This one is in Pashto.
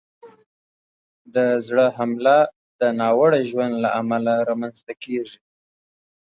د زړه حمله د ناوړه ژوند له امله رامنځته کېږي.